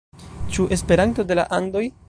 Ĉu Esperanto de la Andoj?